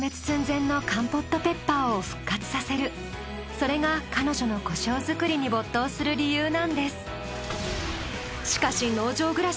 それが彼女のコショウ作りに没頭する理由なんです。